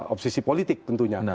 obsesi politik tentunya